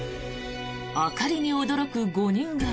明かりに驚く５人組。